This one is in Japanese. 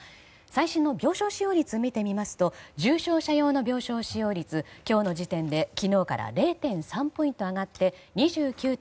最新の病床使用率を見てみますと重症者用の病床使用率今日の時点で昨日から０．３ポイント上がって２９．５％。